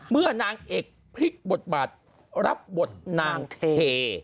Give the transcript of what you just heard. นางเอกพลิกบทบาทรับบทนางเท